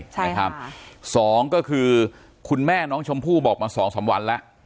ใช่นะครับสองก็คือคุณแม่น้องชมพู่บอกมาสองสามวันแล้ว